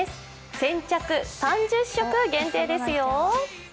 先着３０食限定ですよ。